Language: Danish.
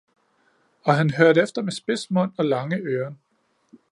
Og han hørte efter med spids mund og lange øren